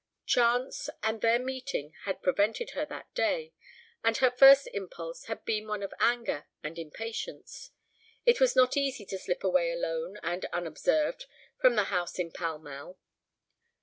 Chance, and their meeting, had prevented her that day, and her first impulse had been one of anger and impatience. It was not easy to slip away alone and unobserved from the house in Pall Mall.